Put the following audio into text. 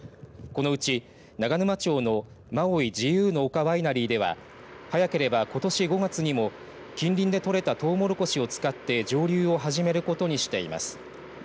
このうち、長沼町のマオイ自由の丘ワイナリーでは早ければ、ことし５月にも近隣でとれたトウモロコシを使って蒸留を始めることにしています。